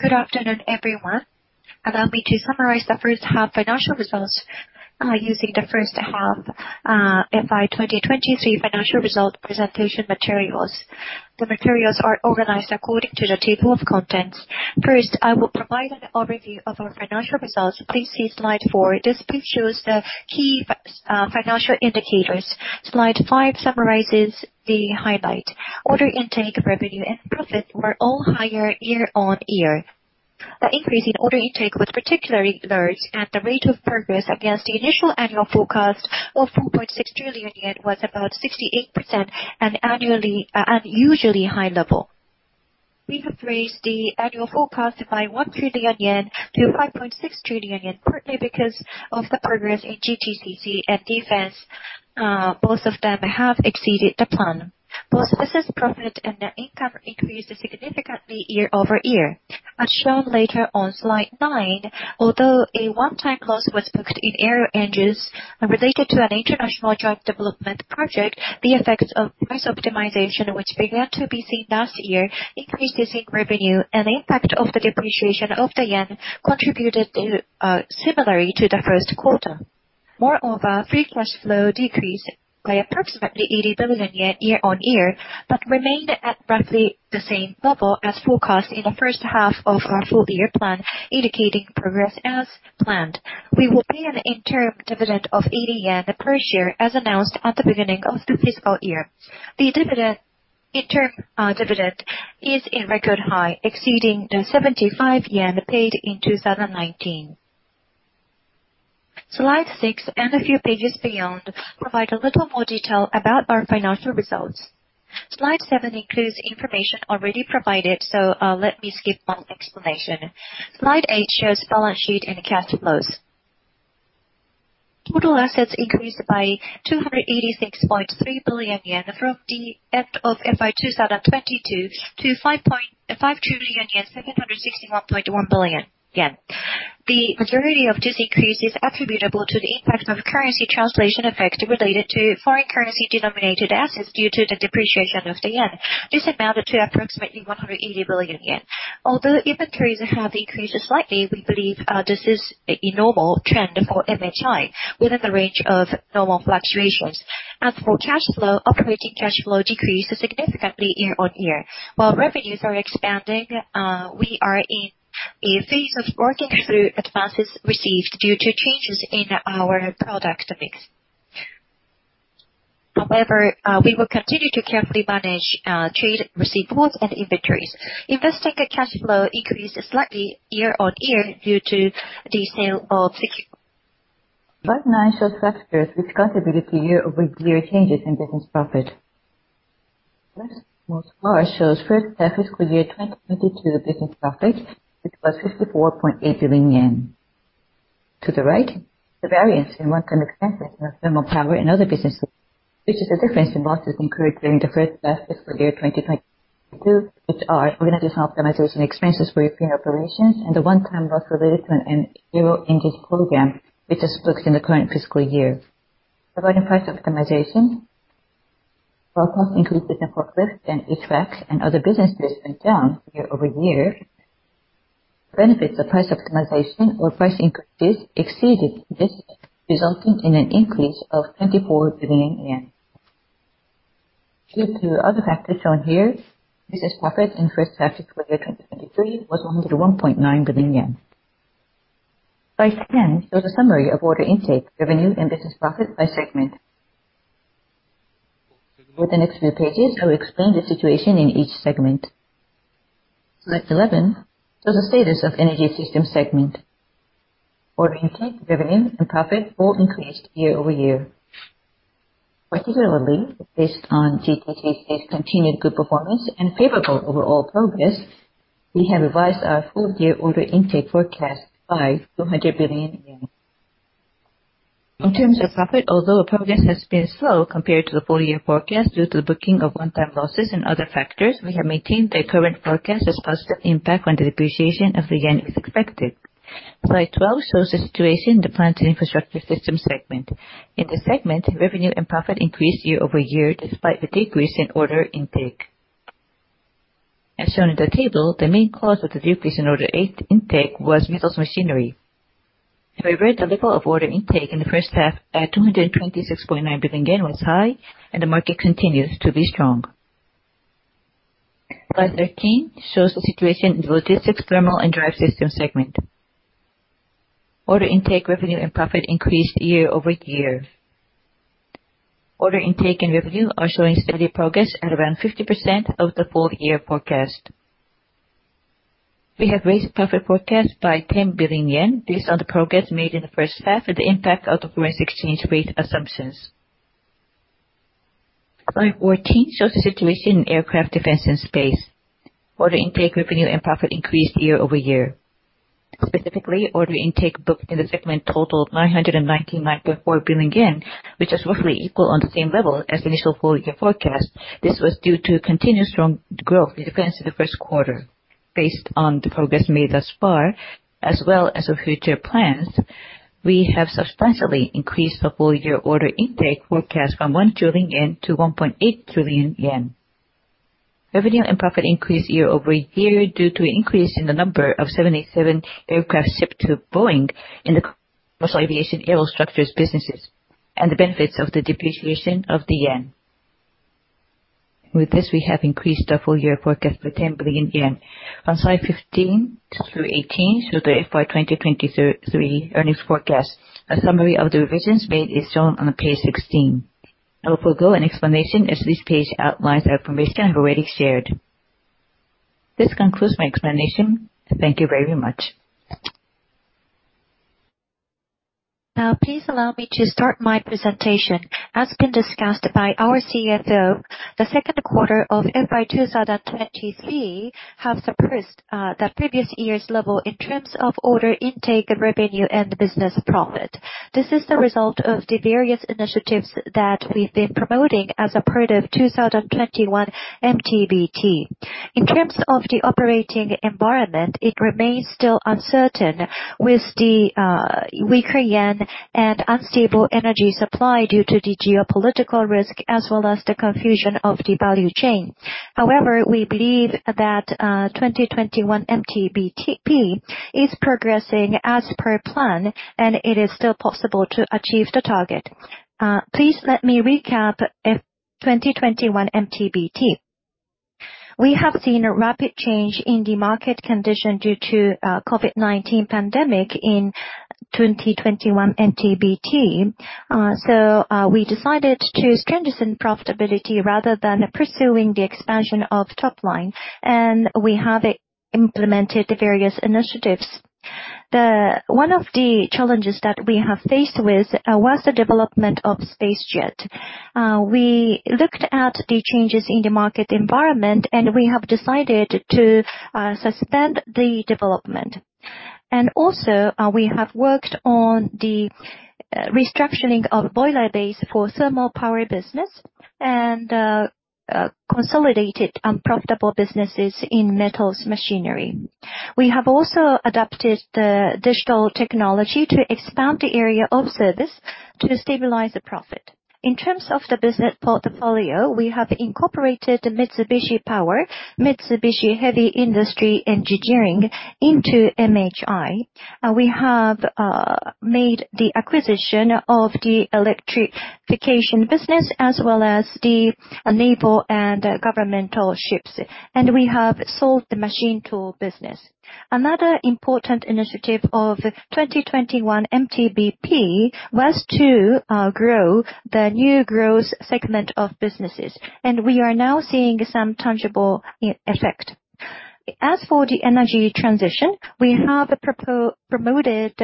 Good afternoon, everyone. Allow me to summarize the first half financial results, using the first half, FY 2023 financial result presentation materials. The materials are organized according to the table of contents. First, I will provide an overview of our financial results. Please see slide four. This page shows the key financial indicators. Slide five summarizes the highlight. Order intake, revenue and profit were all higher YoY. The increase in order intake was particularly large, and the rate of progress against the initial annual forecast of 4.6 trillion yen was about 68%, an annually, unusually high level. We have raised the annual forecast by 1-5.6 trillion yen, partly because of the progress in GTCC and defense. Both of them have exceeded the plan. Both business profit and net income increased significantly YoY, as shown later on slide nine. Although a one-time loss was booked in Aero Engines related to an international joint development project, the effects of price optimization, which began to be seen last year, increased using revenue, and impact of the depreciation of the yen contributed to, similarly to the first quarter. Moreover, free cash flow decreased by approximately 80 billion YoY, but remained at roughly the same level as forecast in the first half of our full year plan, indicating progress as planned. We will pay an interim dividend of 80 yen per share, as announced at the beginning of the fiscal year. The dividend, interim, dividend is a record high, exceeding the 75 yen paid in 2019. Slide six and a few pages beyond provide a little more detail about our financial results. Slide seven includes information already provided, so, let me skip my explanation. Slide eight shows balance sheet and cash flows. Total assets increased by 286.3 billion yen from the end of FY 2022 to 5.5 trillion yen, 761.1 billion yen. The majority of this increase is attributable to the impact of currency translation effects related to foreign currency-denominated assets due to the depreciation of the yen. This amounted to approximately 180 billion yen. Although inventories have increased slightly, we believe, this is a normal trend for MHI within the range of normal fluctuations. As for cash flow, operating cash flow decreased significantly YoY. While revenues are expanding, we are in a phase of working through advances received due to changes in our product mix. However, we will continue to carefully manage trade receivables and inventories. Investing and cash flow increased slightly YoY due to the sale of securities. Slide nine shows factors which contributed to YoY changes in business profit. First, most part shows first half fiscal year 2022 business profit, which was 54.8 billion yen. To the right, the variance in one-time expenses and thermal power in other businesses, which is the difference in losses incurred during the first half fiscal year 2022, which are organizational optimization expenses for operations and a one-time loss related to an Aero Engines program, which is booked in the current fiscal year. Avoiding price optimization, while costs increased in forklift and eTracks and other business went down YoY, benefits of price optimization or price increases exceeded this, resulting in an increase of 24 billion yen. Due to other factors shown here, business profit in the first half fiscal year 2023 was JPY 101.9 billion. Slide 10 shows a summary of order intake, revenue, and business profit by segment. Over the next few pages, I will explain the situation in each segment. Slide 11 shows the status of Energy System segment. Order intake, revenue and profit all increased YoY. Particularly, based on GTCC's continued good performance and favorable overall progress, we have revised our full year order intake forecast by 200 billion yen. In terms of profit, although progress has been slow compared to the full year forecast due to the booking of one-time losses and other factors, we have maintained the current forecast as positive impact when the depreciation of the yen is expected. Slide 12 shows the situation in the Plants & Infrastructure Systems segment. In this segment, revenue and profit increased YoY, despite the decrease in order intake. As shown in the table, the main cause of the decrease in order intake was Metals Machinery. However, the level of order intake in the first half, at 226.9 billion yen, was high, and the market continues to be strong. Slide 13 shows the situation in Logistics, Thermal and Drive Systems segment. Order intake, revenue and profit increased YoY. Order intake and revenue are showing steady progress at around 50% of the full year forecast. We have raised profit forecast by 10 billion yen based on the progress made in the first half and the impact of the foreign exchange rate assumptions. Slide 14 shows the situation in Aircraft, Defense and Space. Order intake, revenue and profit increased YoY. Specifically, order intake booked in the segment totaled 999.4 billion yen, which is roughly equal on the same level as the initial full year forecast. This was due to continuous strong growth in comparison to the first quarter. Based on the progress made thus far, as well as our future plans, we have substantially increased the full year order intake forecast from 1-1.8 trillion yen.… Revenue and profit increased YoY due to increase in the number of 787 aircraft shipped to Boeing in the commercial aviation aerostructures businesses, and the benefits of the depreciation of the yen. With this, we have increased our full year forecast by 10 billion yen. On slides 15 through 18, show the FY 2023 earnings forecast. A summary of the revisions made is shown on page 16. I will forego an explanation, as this page outlines information I've already shared. This concludes my explanation. Thank you very much. Now, please allow me to start my presentation. As has been discussed by our CFO, the second quarter of FY 2023 has surpassed the previous year's level in terms of order intake, revenue, and business profit. This is the result of the various initiatives that we've been promoting as a part of 2021 MTBP. In terms of the operating environment, it remains still uncertain with the weaker yen and unstable energy supply due to the geopolitical risk, as well as the confusion of the value chain. However, we believe that 2021 MTBP is progressing as per plan, and it is still possible to achieve the target. Please let me recap FY 2021 MTBP. We have seen a rapid change in the market condition due to COVID-19 pandemic in 2021 MTBP. So, we decided to strengthen profitability rather than pursuing the expansion of top line, and we have implemented the various initiatives. One of the challenges that we have faced was the development of SpaceJet. We looked at the changes in the market environment, and we have decided to suspend the development. Also, we have worked on the restructuring of boiler base for thermal power business and consolidated unprofitable businesses in Metals Machinery. We have also adapted the digital technology to expand the area of service to stabilize the profit. In terms of the business portfolio, we have incorporated Mitsubishi Power, Mitsubishi Heavy Industries Engineering into MHI. We have made the acquisition of the electrification business as well as the naval and governmental ships, and we have sold the machine tool business. Another important initiative of 2021 MTBP was to grow the new growth segment of businesses, and we are now seeing some tangible effect. As for the energy transition, we have promoted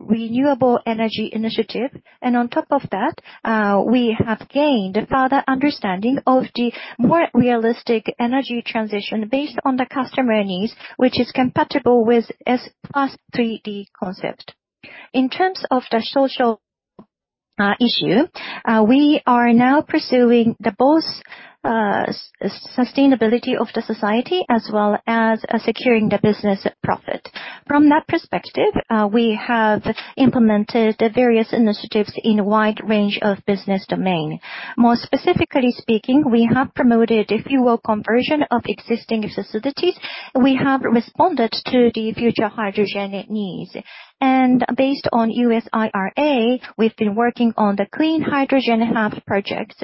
renewable energy initiative, and on top of that, we have gained further understanding of the more realistic energy transition based on the customer needs, which is compatible with S+3E concept. In terms of the social issue, we are now pursuing both sustainability of the society, as well as securing the business profit. From that perspective, we have implemented the various initiatives in a wide range of business domain. More specifically speaking, we have promoted a fuel conversion of existing facilities. We have responded to the future hydrogen needs, and based on U.S. IRA, we've been working on the clean hydrogen hub projects.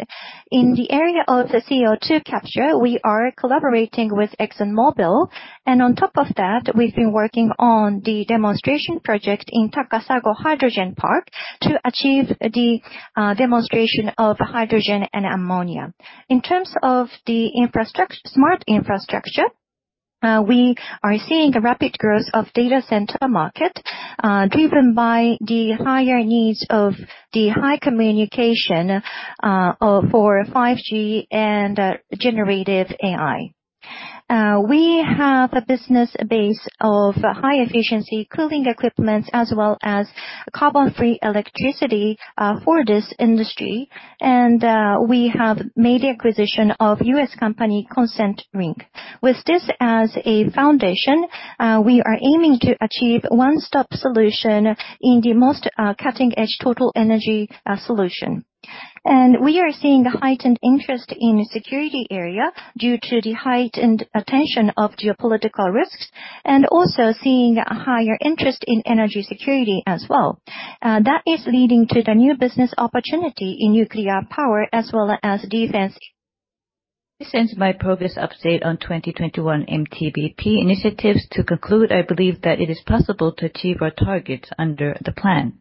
In the area of the CO2 capture, we are collaborating with ExxonMobil, and on top of that, we've been working on the demonstration project in Takasago Hydrogen Park to achieve the, demonstration of hydrogen and ammonia. In terms of the smart infrastructure, we are seeing the rapid growth of data center market, driven by the higher needs of the high communication, for 5G and, generative AI. We have a business base of high efficiency cooling equipments as well as carbon-free electricity, for this industry, and, we have made the acquisition of U.S. company, Concentric. With this as a foundation, we are aiming to achieve one-stop solution in the most, cutting-edge total energy, solution. We are seeing a heightened interest in the security area due to the heightened attention of geopolitical risks, and also seeing a higher interest in energy security as well. That is leading to the new business opportunity in nuclear power as well as defense. This ends my progress update on 2021 MTBP initiatives. To conclude, I believe that it is possible to achieve our targets under the plan.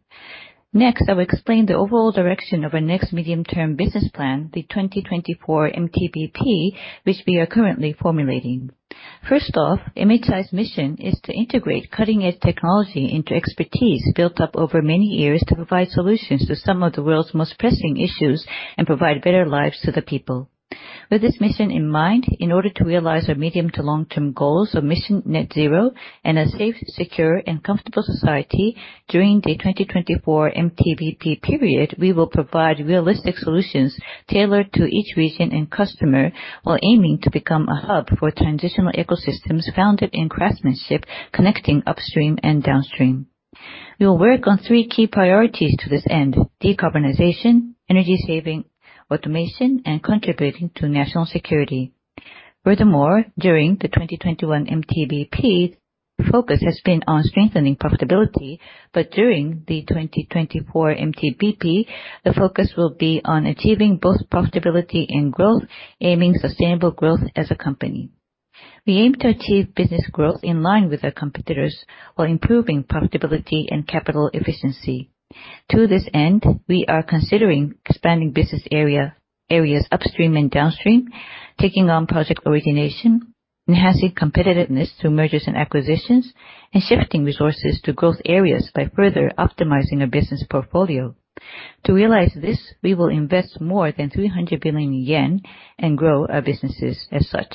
Next, I will explain the overall direction of our next medium-term business plan, the 2024 MTBP, which we are currently formulating. First off, MHI's mission is to integrate cutting-edge technology into expertise built up over many years, to provide solutions to some of the world's most pressing issues, and provide better lives to the people. With this mission in mind, in order to realize our medium to long-term goals of Mission Net Zero and a safe, secure and comfortable society during the 2024 MTBP period, we will provide realistic solutions tailored to each region and customer, while aiming to become a hub for transitional ecosystems founded in craftsmanship, connecting upstream and downstream. We will work on three key priorities to this end: decarbonization, energy saving, automation, and contributing to national security. Furthermore, during the 2021 MTBP, focus has been on strengthening profitability, but during the 2024 MTBP, the focus will be on achieving both profitability and growth, aiming sustainable growth as a company. We aim to achieve business growth in line with our competitors, while improving profitability and capital efficiency. To this end, we are considering expanding business area, areas upstream and downstream, taking on project origination, enhancing competitiveness through mergers and acquisitions, and shifting resources to growth areas by further optimizing our business portfolio. To realize this, we will invest more than 300 billion yen and grow our businesses as such.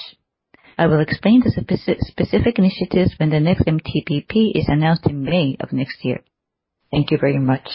I will explain the specific initiatives when the next MTBP is announced in May of next year. Thank you very much.